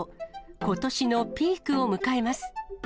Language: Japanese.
ことしのピークを迎えます。